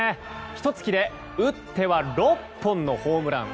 ひと月で打っては６本のホームラン。